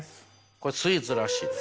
これスイーツらしいです。